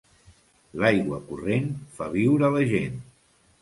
L'aigua corrent fa viure la gent.